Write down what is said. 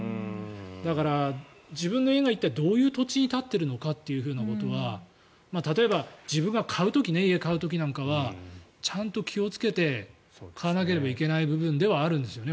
だから、自分の家が一体、どういう土地に立ってるのかということは例えば自分が家を買う時なんかはちゃんと気をつけて買わなければいけない部分ではあるんですよね。